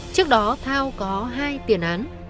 trước đó thao có hai tiền án